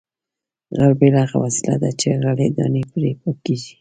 غلبېل هغه وسیله ده چې غلې دانې پرې پاکیږي